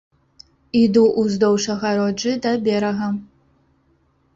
Іду ўздоўж агароджы да берага.